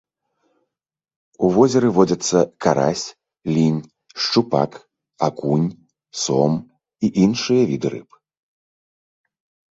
У возеры водзяцца карась, лінь, шчупак, акунь, сом і іншыя віды рыб.